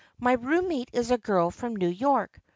My roommate is a girl from New York.